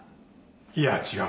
いや違う。